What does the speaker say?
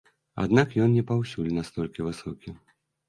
Аднак, ён не паўсюль настолькі высокі.